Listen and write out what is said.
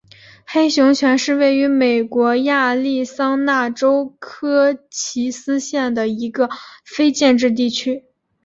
黑熊泉是位于美国亚利桑那州科奇斯县的一个非建制地区。